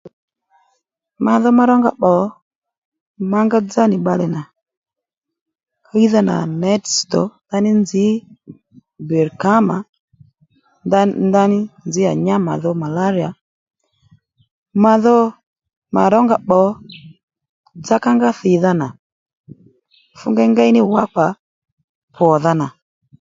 Ma dho ma rónga pbò mǎ ngá dzá nì bbalè nà ɦíydha nà nětì ss̀tǒ ndaní nzǐ bèr kǎ mà ndaní ndaní nzǐ à nyá màdho malariya mà dho mà rónga pbò dza kàónga thìdha nà fú ngéyngéy ní wǎ kpà pwòdha nà